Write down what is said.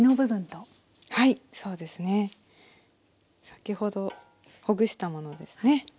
先ほどほぐしたものですね。